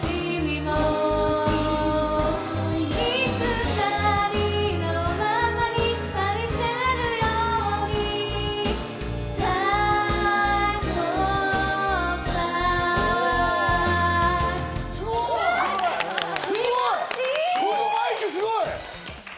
すごい！